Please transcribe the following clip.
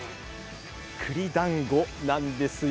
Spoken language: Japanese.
栗だんごなんですよ。